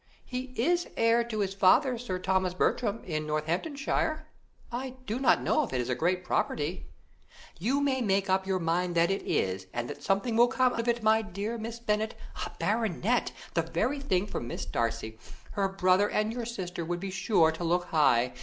"He is heir to his father, Sir Thomas Bertram, in Northamptonshire; I do not know if it is a great property." "You may make up your mind that it is, and that something will come of it, my dear Miss Bennet. A baronet! the very thing for Miss Darcy. Her brother and your sister would be sure to look high.